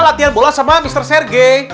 latihan bola sama mister sergei